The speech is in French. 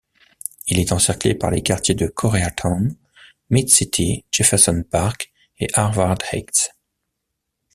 Il est encerclé par les quartiers de Koreatown, Mid-City, Jefferson Park et Harvard Heights.